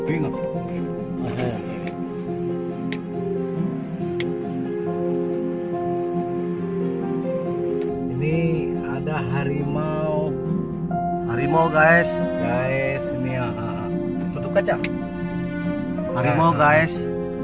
ini ada harimau harimau guys guys ini ah tutup kaca harimau guys